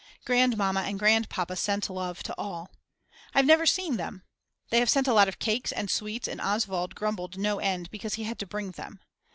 Grandmama and Grandpapa sent love to all. I've never seen them. They have sent a lot of cakes and sweets and Oswald grumbled no end because he had to bring them.